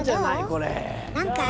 これ。